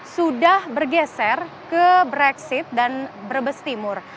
sudah bergeser ke brexit dan brebes timur